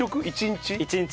１日？